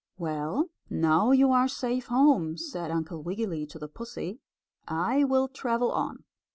"Well, now you are safe home," said Uncle Wiggily to the pussy, "I will travel on."